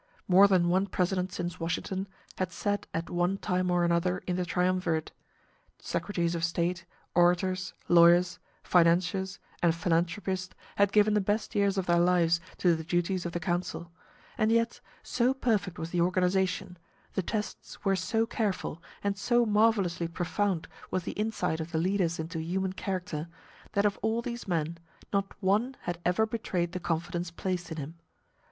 More than one President since Washington had sat at one time or another in the triumvirate; secretaries of state, orators, lawyers, financiers, and philanthropists had given the best years of their lives to the duties of the council; and yet, so perfect was the organization, the tests were so careful, and so marvelously profound was the insight of the leaders into human character, that of all these men, not one had ever betrayed the confidence placed in him.